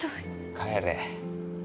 帰れ。